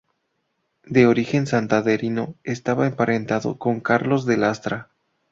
De origen santanderino, estaba emparentado con Carlos de la Lastra.